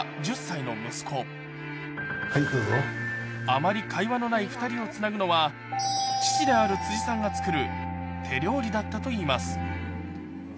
あまり会話のない２人をつなぐのは、父である辻さんが作る手料理だったといいます。